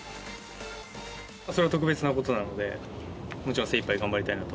それは特別なことなので、もちろん、精いっぱい頑張りたいなと。